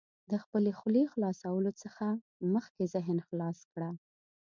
د خپلې خولې خلاصولو څخه مخکې ذهن خلاص کړه.